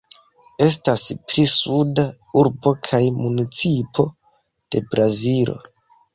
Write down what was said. Estas la pli suda urbo kaj municipo de Brazilo.